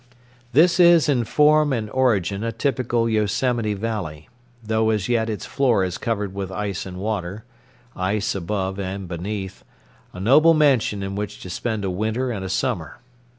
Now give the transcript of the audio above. This is in form and origin a typical Yosemite valley, though as yet its floor is covered with ice and water,—ice above and beneath, a noble mansion in which to spend a winter and a summer!